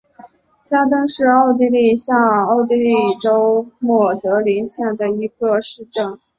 加登是奥地利下奥地利州默德林县的一个市镇。